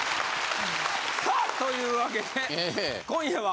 さあというわけで今夜は。